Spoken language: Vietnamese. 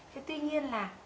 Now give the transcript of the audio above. thì tuy nhiên là